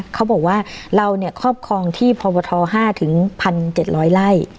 เขาบอกว่าเราเนี่ยครอบครองที่ปรปธ๕ถึง๑๗๐๐ไร่